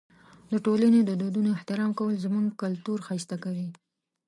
د ټولنې د دودونو احترام کول زموږ کلتور ښایسته کوي.